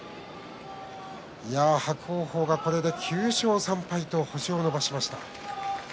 伯桜鵬がこれで９勝３敗と星を伸ばしました。